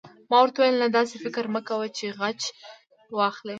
ما ورته وویل: نه، داسې فکر مه کوه چې غچ واخلې.